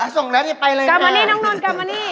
ส่งไปเลยคือกลับมานี่ข้าวอุ้นกลับมานี่